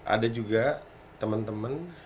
ada juga temen temen